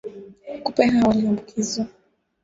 kupe hao walioambukizwa